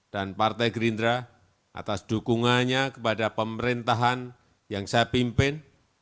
dan partai gerindra atas dukungannya kepada pemerintahan yang saya pimpin